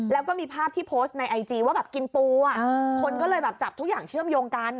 แล้วก็มีภาพที่โพสต์ในไอจีว่าแบบกินปูอ่ะคนก็เลยแบบจับทุกอย่างเชื่อมโยงกัน